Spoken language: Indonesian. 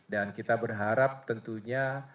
dan kita berharap tentunya